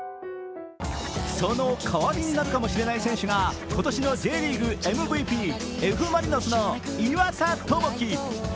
その代わりになるかもしれない選手が今年のＪリーグＭＶＰ、Ｆ・マリノスの岩田智輝。